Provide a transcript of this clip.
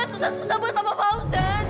susah susah buat papa buzan